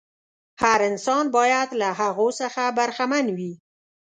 هر انسان باید له هغو څخه برخمن وي.